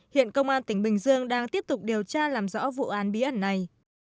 hiện công an tỉnh bình dương đang tiếp tục điều tra làm rõ vụ án bí ẩn này